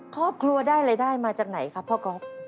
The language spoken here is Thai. ครอบครัวได้รายได้มาจากไหนครับพ่อก๊อฟ